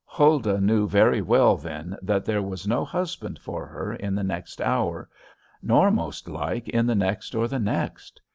Huldah knew very well then that there was no husband for her in the next hour, nor most like in the next or the next.